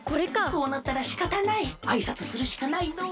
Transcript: こうなったらしかたないあいさつするしかないのう。